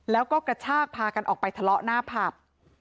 แล้วก็กระชากพากันออกไปทะเลาะหน้าผับ